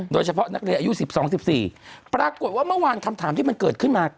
โดยเฉพาะนักเรียนอายุ๑๒๑๔ปรากฏว่าเมื่อวานคำถามที่มันเกิดขึ้นมา